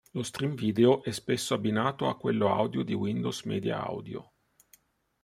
Lo stream video è spesso abbinato a quello audio di Windows Media Audio.